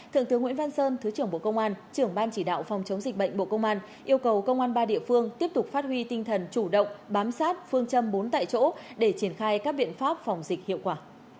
thượng tướng nguyễn văn sơn thứ trưởng bộ công an trưởng ban chỉ đạo phòng chống dịch bệnh bộ công an yêu cầu công an ba địa phương tiếp tục phát huy tinh thần chủ động bám sát phương châm bốn tại chỗ để triển khai các biện pháp phòng dịch hiệu quả